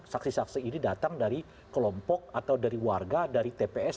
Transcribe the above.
saksi saksi ini datang dari kelompok atau dari warga dari tps